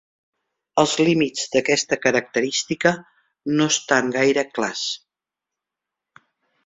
Els límits d"aquesta característica no estan gaire clars.